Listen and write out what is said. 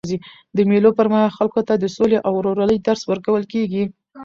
د مېلو پر مهال خلکو ته د سولي او ورورولۍ درس ورکول کېږي.